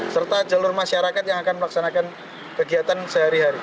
serta jalur masyarakat yang akan melaksanakan kegiatan sehari hari